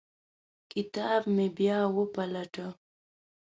کتاب مې بیا وپلټه.